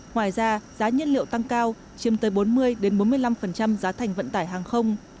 ngoài ra giá nhân liệu tăng cao chiếm tới bốn mươi bốn mươi năm giá thành vận tải hàng không